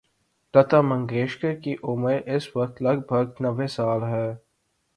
لتا منگیشکر کی عمر اس وقت لگ بھگ نّوے سال ہے۔